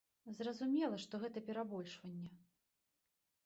Зразумела, што гэта перабольшванне.